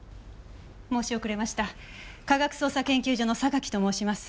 申し遅れました科学捜査研究所の榊と申します。